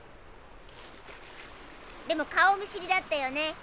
でも顔見知りだったよね？